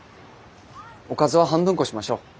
おかずは半分こしましょう。